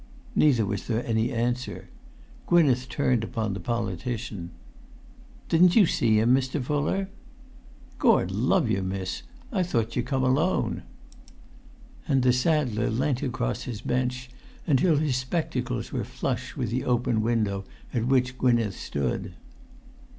Neither was there any answer. Gwynneth turned upon the politician. "Didn't you see him, Mr. Fuller?" "Gord love you, miss, I thought you come alone!" And the saddler leant across his bench until his spectacles were flush with the open window at which Gwynneth stood.